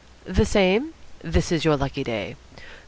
"The same. This is your lucky day."